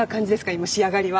今仕上がりは。